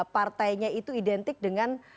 partainya itu identik dengan